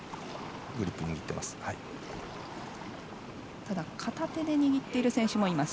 グリップを握ってます。